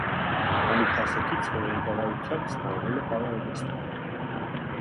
Մանուկ հասակից հոր ղեկավարությամբ զբաղվել է պարարվեստով։